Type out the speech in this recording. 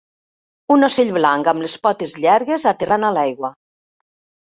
Un ocell blanc amb les potes llargues aterrant a l'aigua.